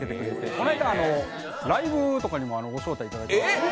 この間、ライブとかにもご招待いただいて。